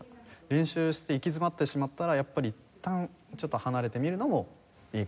練習して行き詰まってしまったらやっぱりいったんちょっと離れてみるのもいいかもしれない。